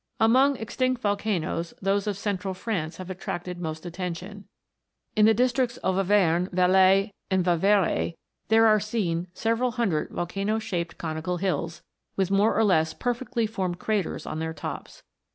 Among extinct volcanoes those of central France have attracted most attention. In the districts of Auvergne, Velay, and the Vivarais, there are seen several hundred volcano shaped conical hills, with more or less perfectly formed craters on their tops.